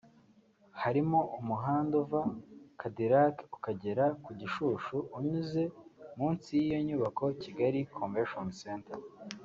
Harimo umuhanda uva Cadillac ukagera ku Gishushu unyuze munsi y’iyi nyubako [Kigali Convention Centre]